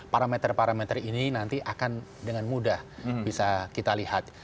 parameter parameter ini nanti akan dengan mudah bisa kita lihat